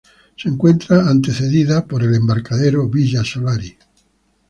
Se encuentra Antecedida por el Embarcadero Villa Solari.